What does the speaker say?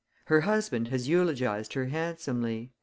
Her husband has eulogized her handsomely.